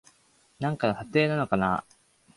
なんかの撮影かな